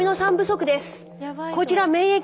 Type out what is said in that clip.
「こちら免疫。